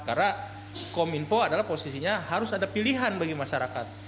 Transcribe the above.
karena kominfo adalah posisinya harus ada pilihan bagi masyarakat